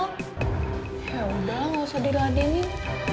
ya udah lah gak usah dirademin